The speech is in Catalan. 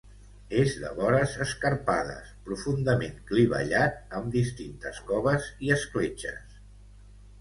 És de vores escarpades, profundament clivellat amb distintes coves i escletxes.